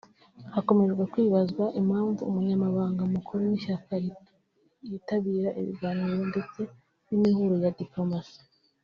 Hakomejwe kwibazwa impamvu umunyamabanga mukuru w’ishyaka yitabira ibiganiro ndetse n’imihuro ya diplomasi